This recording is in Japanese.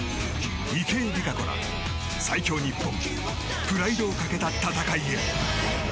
池江璃花子ら最強日本プライドをかけた戦いへ。